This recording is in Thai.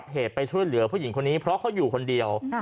เหตุไปช่วยเหลือผู้หญิงคนนี้เพราะเขาอยู่คนเดียว